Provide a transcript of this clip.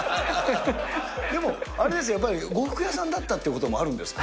でも、あれですよ、やっぱり呉服屋さんだったということもあるんですか。